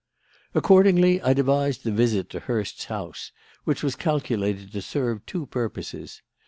"Accordingly, I devised the visit to Hurst's house, which was calculated to serve two purposes.